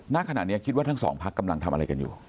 ณขณะนี้คิดว่าทั้งสองพักกำลังทำอะไรกันอยู่